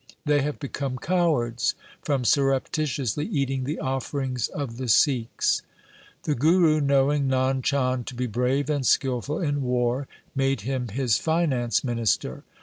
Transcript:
They have become cowards from surreptitiously eating the offerings of the Sikhs.' The Guru, knowing Nand Chand to be brave and skilful in war, made him his finance minister.